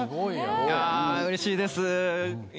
いやうれしいです。